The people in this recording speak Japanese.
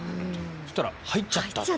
そしたら入っちゃったという。